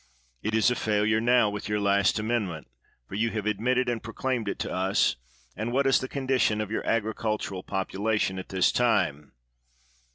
It is a failure now with your last amendment, for you have admitted and proclaimed it to us; and what is the condition of your agricultural population at this time?